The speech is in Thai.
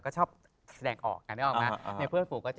เจงกิสคานจำเป็นเพลง